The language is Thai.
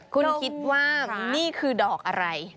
คุณคิดว่านี่คือดอกอะไร